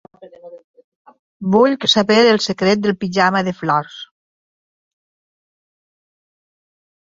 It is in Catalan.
Vull saber el secret del pijama de flors.